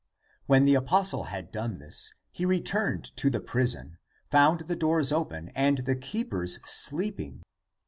When the apostle had done this, he re turned to the prison, found the doors open and the keepers sleeping.